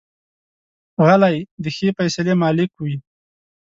غلی، د ښې فیصلې مالک وي.